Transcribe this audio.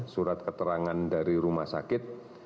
surat keterangan dari rumah sakit